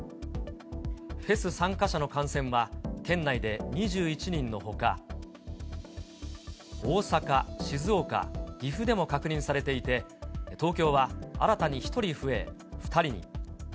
フェス参加者の感染は、県内で２１人のほか、大阪、静岡、岐阜でも確認されていて、東京は新たに１人増え、２人に。